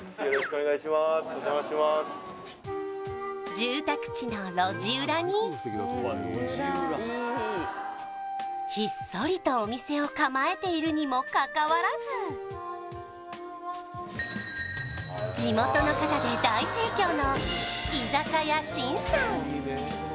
住宅地の路地裏にひっそりとお店を構えているにもかかわらず地元の方で大盛況の居酒屋芯さん